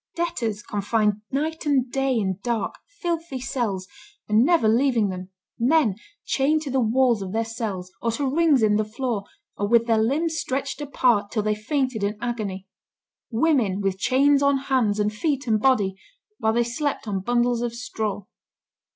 Debtors confined night and day in dark, filthy cells, and never leaving them; men chained to the walls of their cells, or to rings in the floor, or with their limbs stretched apart till they fainted in agony; women with chains on hands, and feet, and body, while they slept on bundles of straw.